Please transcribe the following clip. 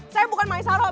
saya bukan maisaroh